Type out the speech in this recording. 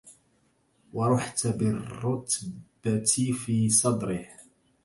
ورُحتَ بالرتبةِ في صَدرِهِ